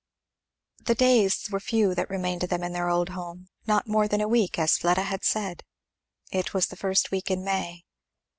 The days were few that remained to them in their old home; not more than a week, as Fleda had said. It was the first week in May.